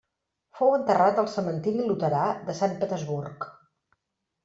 Fou enterrat al cementiri luterà de Sant Petersburg.